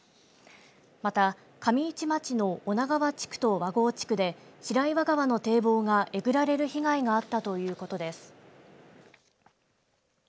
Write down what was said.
また、上市町の女川地区と和合地区で白岩川の堤防がえぐられる被害があったということです。